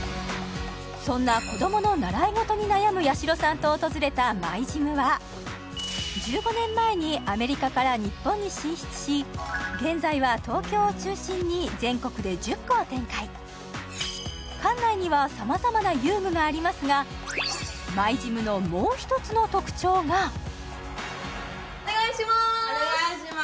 そんな子供の習い事に悩むやしろさんと訪れたＭｙＧｙｍは１５年前にアメリカから日本に進出し現在は東京を中心に全国で１０校を展開館内にはさまざまな遊具がありますがＭｙＧｙｍのお願いしまーすお願いします